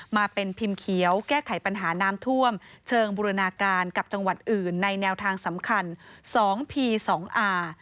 มาเป็นพิมพ์เขียวแก้ไขปัญหาน้ำท่วมเชิงบูรณาการกับจังหวัดอื่นในแนวทางสำคัญ๒พี๒อา